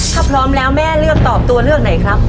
ถ้าพร้อมแล้วแม่เลือกตอบตัวเลือกไหนครับ